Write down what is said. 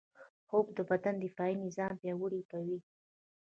خوب د بدن دفاعي نظام پیاوړی کوي